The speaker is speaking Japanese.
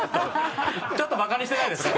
ちょっとバカにしてないですか？